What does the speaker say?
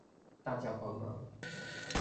大家幫忙